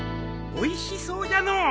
おいしそうじゃのう。